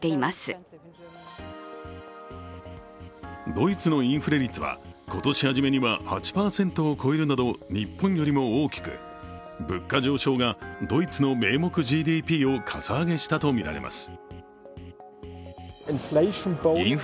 ドイツのインフレ率は今年初めには８％を超えるなど日本よりも大きく、物価上昇がドイツの名目ＧＤＰをかさ上げしたとみられます。